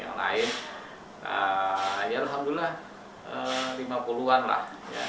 ya alhamdulillah lima puluh an lah